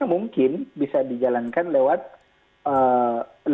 mungkin bisa dijalankan lewat pendidikan berbayar